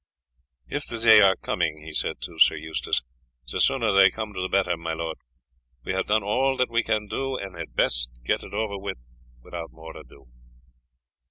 "If they are coming," he said to Sir Eustace, "the sooner they come the better, my lord; we have done all that we can do, and had best get it over without more ado."